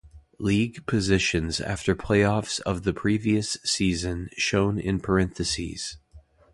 League positions after playoffs of the previous season shown in parentheses.